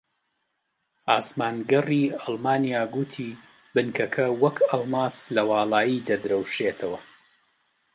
ئاسمانگەڕی ئەڵمانیا گوتی بنکەکە وەک ئەڵماس لە واڵایی دەدرەوشێتەوە